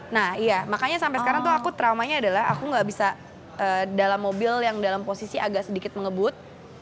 nah iya makanya sampai sekarang tuh aku traumanya adalah aku nggak bisa dalam mobil yang dalam posisi agak sedikit mengebut